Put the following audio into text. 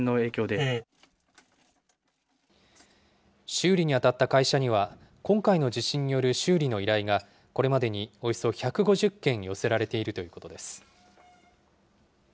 修理に当たった会社には、今回の地震による修理の依頼が、これまでにおよそ１５０件寄せられているということです。